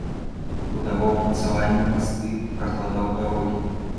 Будаваў умацаванні, масты, пракладаў дарогі.